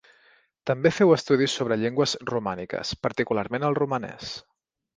També féu estudis sobre llengües romàniques, particularment el romanès.